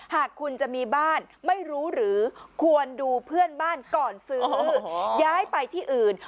หากคุณจะมีบ้านไม่รู้หรือควรดูเพื่อนบ้านก่อนซื้อย้ายไปที่อื่น